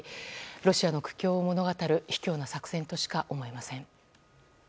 ロシアの苦境を物語る卑怯な作戦としか思えません。